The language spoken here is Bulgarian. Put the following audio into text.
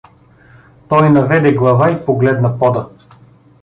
Той наведе глава и погледна пода.